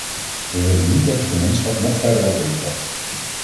We willen niet dat de gemeenschap nog verder uiteenvalt.